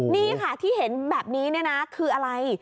นี่ค่ะที่เห็นแบบนี้เนี่ยนะคืออะไร